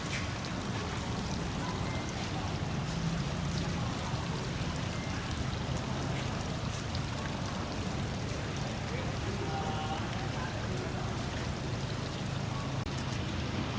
สวัสดีครับสวัสดีครับ